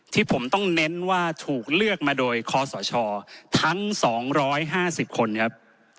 ที่ผมต้องเน้นว่าถูกเลือกมาโดยคอสชทั้ง๒๕๐คนครับ